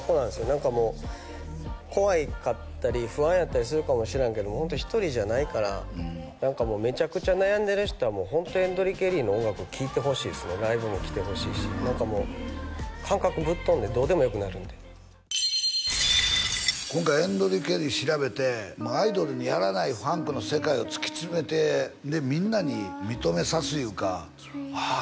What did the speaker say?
何かもう怖かったり不安やったりするかもしらんけどホント１人じゃないから何かもうめちゃくちゃ悩んでる人はホント．ＥＮＤＲＥＣＨＥＲＩ．の音楽を聴いてほしいですねライブも来てほしいし何かもう感覚ぶっ飛んでどうでもよくなるんで今回．ＥＮＤＲＥＣＨＥＲＩ．調べてアイドルがやらないファンクの世界を突き詰めてでみんなに認めさすいうかはあ